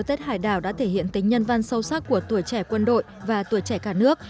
tết hải đảo đã thể hiện tính nhân văn sâu sắc của tuổi trẻ quân đội và tuổi trẻ cả nước